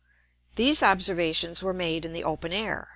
These Observations were made in the open Air.